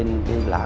nghe rất là rõ